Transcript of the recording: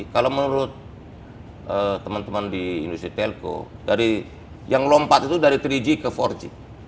kalau menurut teman teman di industri telko yang lompat itu dari tiga g ke empat g